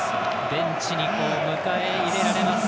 ベンチに迎え入れられます。